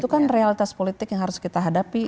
itu kan realitas politik yang harus kita hadapi